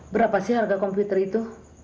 berapa harga komputer itu